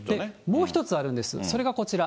もう１つあるんです、それがこちら。